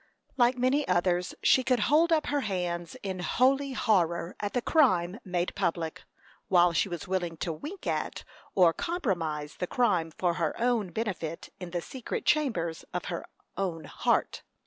Like many others, she could hold up her hands in holy horror at the crime made public, while she was willing to wink at or compromise the crime for her own benefit in the secret chambers of her own heart.